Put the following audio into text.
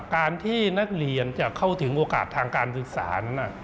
การที่นักเรียนจะเข้าถึงโอกาสทางการศึกษานั้น